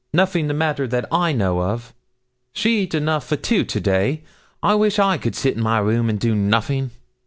'Nothing the matter that I know of. She eat enough for two to day. I wish I could sit in my room doing nothing.'